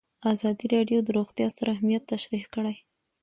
ازادي راډیو د روغتیا ستر اهميت تشریح کړی.